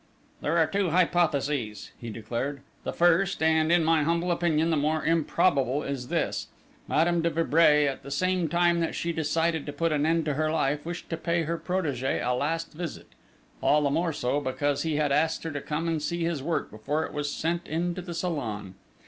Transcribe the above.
"There are two hypotheses," he declared. "The first, and, in my humble opinion, the more improbable, is this: Madame de Vibray at the same time that she decided to put an end to her life, wished to pay her protégé a last visit; all the more so, because he had asked her to come and see his work before it was sent in to the Salon.